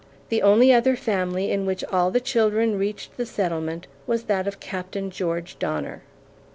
The only other family in which all the children reached the settlement was that of Captain George Donner.